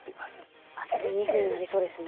熱い２分になりそうですね。